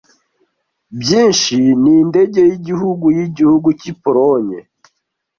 BYINSHI nindege yigihugu yigihugu ki Polonye